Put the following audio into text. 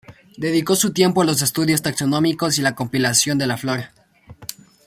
Dedicó su tiempo a los estudios taxonómicos y la compilación de la flora.